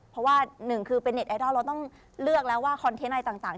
เพราะว่าหนึ่งคือเป็นเน็ตไอดอลเราต้องเลือกแล้วว่าคอนเทนต์อะไรต่าง